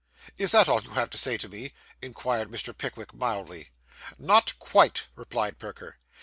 'Is this all you have to say to me?' inquired Mr. Pickwick mildly. 'Not quite,' replied Perker.